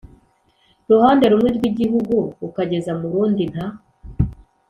ruhande rumwe rw igihugu ukageza mu rundi nta